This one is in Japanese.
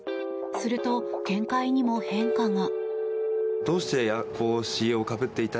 すると、見解にも変化が。